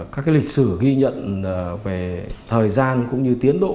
các lịch sử ghi nhận về thời gian cũng như tiến độ